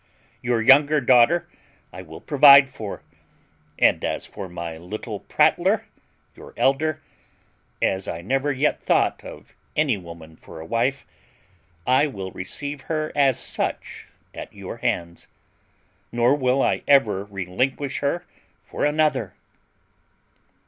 Your younger daughter I will provide for, and as for my little prattler, your elder, as I never yet thought of any woman for a wife, I will receive her as such at your hands; nor will I ever relinquish her for another."